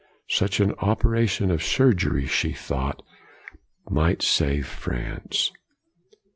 Such an operation of surgery, she thought, might save France.